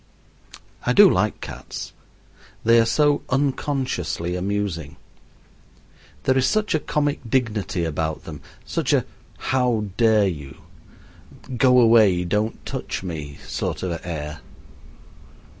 I do like cats. They are so unconsciously amusing. There is such a comic dignity about them, such a "How dare you!" "Go away, don't touch me" sort of air.